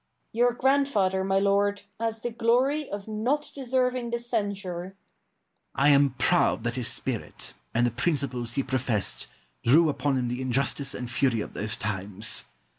Douglas. Your grandfather, my lord, has the glory of not deserving this censure. Argyle. I am proud that his spirit, and the principles he professed, drew upon him the injustice and fury of those times.